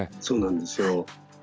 そうなんですよ。